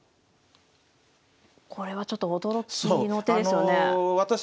これはちょっと驚きの手ですよね。